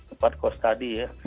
empat kos tadi ya